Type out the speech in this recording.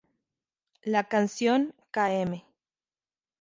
La canción "Km.